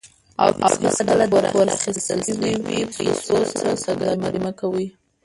او هیڅکله د پور اخیستل شوي پیسو سره سوداګري مه کوئ.